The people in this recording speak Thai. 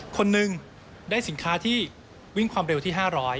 คนหนึ่งได้สินค้าที่วิ่งความเร็วที่๕๐๐